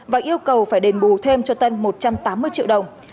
và yêu cầu phải đền bù thêm cho tân một trăm tám mươi triệu đồng